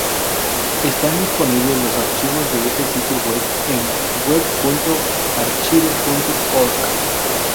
Están disponibles los archivos de ese sitio web en web.archive.org.